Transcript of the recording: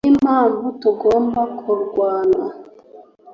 Ninimpamvu tugomba kurwana